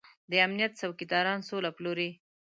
د امنيت څوکيداران سوله پلوري.